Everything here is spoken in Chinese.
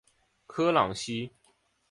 科朗西。